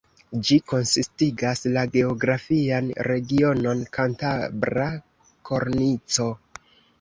Ĝi konsistigas la geografian regionon Kantabra Kornico.